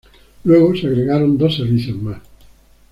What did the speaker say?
Luego se agregaron dos servicios más.